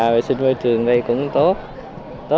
vệ sinh vệ trường ở đây cũng tốt